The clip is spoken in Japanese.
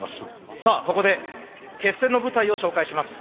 さあここで決戦の舞台を紹介します。